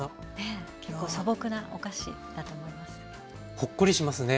ほっこりしますね。